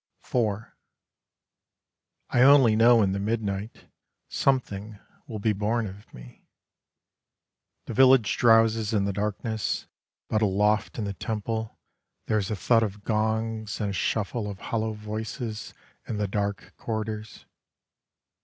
IV I only know in the midnight, Something will be born of me. The village drowses in the darkness, But aloft in the temple There is a thud of gongs and a shuffle of hollow voices In the dark corridors.